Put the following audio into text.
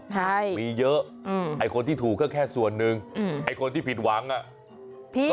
ใช่มีเยอะคนที่ถูกก็แค่ส่วนหนึ่งคนที่ผิดหวังก็อีกเทียบ